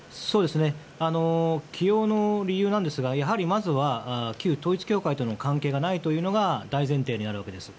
起用の理由なんですがやはり、まずは旧統一教会との関係がないというのが大前提になるわけです。